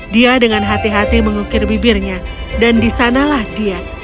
dia dengan hati hati mengukir bibirnya dan disanalah dia